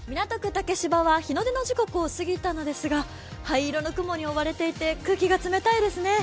竹芝は日の出の時刻を過ぎたのですが灰色の雲に覆われていて空気が冷たいですね。